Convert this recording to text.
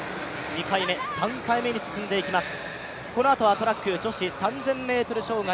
２回目、３回目に進んでいきます。